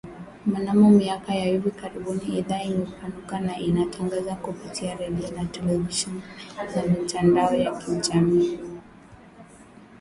Mnamo miaka ya hivi karibuni idhaa imepanuka na inatangaza kupitia redio, televisheni na mitandao ya kijamii.